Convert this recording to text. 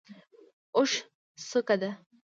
اوښ څوکه ده.